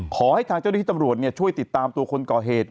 ขอให้ทางเจ้าหน้าที่ตำรวจช่วยติดตามตัวคนก่อเหตุ